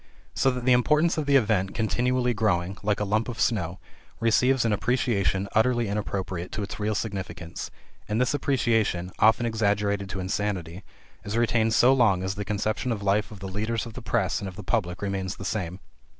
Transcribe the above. So that the importance of the event, continually growing, like a lump of snow, receives an appreciation utterly inappropriate to its real significance, and this appreciation, often exaggerated to insanity, is retained so long as the conception of life of the leaders of the press and of the public remains the same.